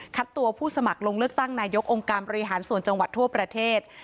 ตัวผู้สมัครลงเลือกตั้งนายกองค์การบริหารส่วนจังหวัดทั่วประเทศ